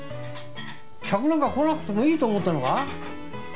客なんか来なくてもいいと思ってんのか？